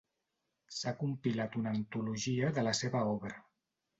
S'ha compilat una antologia de la seva obra.